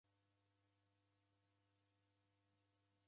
Niko koni w'oruw'o.